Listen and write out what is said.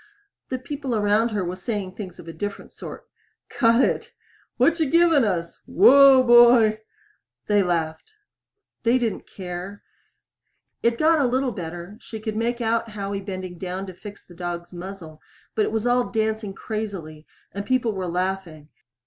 _" The people around her were saying things of a different sort. "Cut it!" "What you givin' us?" "Whoa, boy!" They laughed. They didn't care. It got a little better; she could make out Howie bending down to fix the dog's muzzle but it was all dancing crazily and people were laughing.